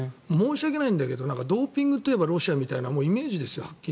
申し訳ないんだけどドーピングといえばロシアみたいなイメージですよ。